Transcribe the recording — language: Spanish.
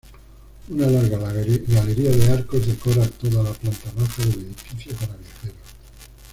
Una larga galería de arcos decora toda la planta baja del edificio para viajeros.